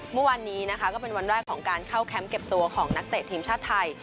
เมื่อวานนี้นะคะก็เป็นวันแรกของการเข้าแคมป์เก็บตัวของนักเตะทีมชาติไทย